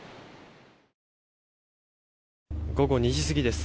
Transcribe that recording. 午後２時過ぎです。